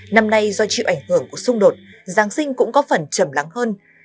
năm nay do chịu ảnh hưởng của xung đột giáng sinh cũng có phần trầm lắng hơn